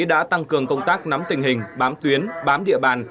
đã tăng cường công tác nắm tình hình bám tuyến bám địa bàn